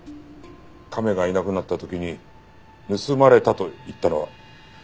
亀がいなくなった時に「盗まれた」と言ったのは。